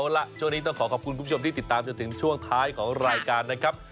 เอาล่ะช่วงนี้ต้องขอขอบคุณคุณผู้ชมที่ติดตามจนถึงช่วงท้ายของรายการนะครับ